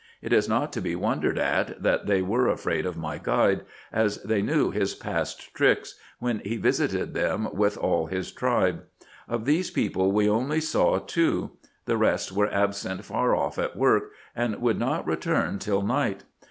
It is not to be wondered at that they were afraid of my guide, as they knew his past tricks, when he visited them with all his tribe. Of these people we only saw two ; the rest were absent far off at work, and would not return till night.